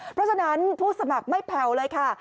เพราะฉะนั้นผู้สมัครไม่แผ่วเลยค่ะ